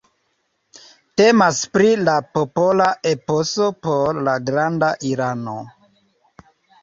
Temas pri la popola eposo por la Granda Irano.